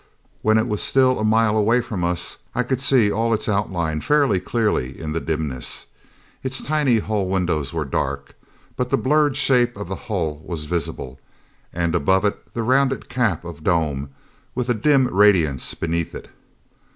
When it was still a mile away from us I could see all its outline fairly clearly in the dimness. Its tiny hull windows were dark; but the blurred shape of the hull was visible, and above it the rounded cap of dome, with a dim radiance beneath it.